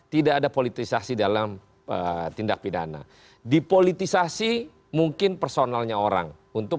tidak ada politisasi dalam tindak pidana dipolitisasi mungkin personalnya orang untuk